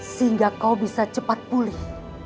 sehingga kau bisa cepat pulih